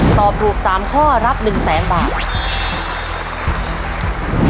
ตอบถูก๓ข้อรับ๑แสนบาท